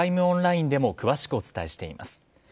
オンラインでも詳しくお伝えしています。